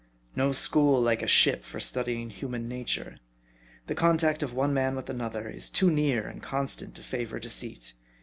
No school like a ship for studying human nature. The contact of one man with another is too near and constant to favor deceit.